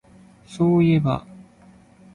そういえば